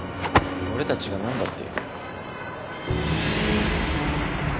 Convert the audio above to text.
俺たちが何だって？